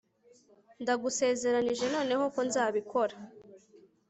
ndagusezeranije noneho ko nzabikora